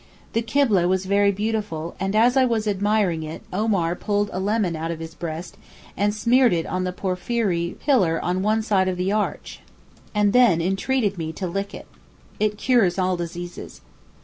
The Kibleh was very beautiful, and as I was admiring it Omar pulled a lemon out of his breast and smeared it on the porphyry pillar on one side of the arch, and then entreated me to lick it. It cures all diseases.